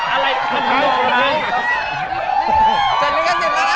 อะไรขนาดนี้ก็เสร็จแล้วนะ